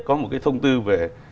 có một cái thông tư về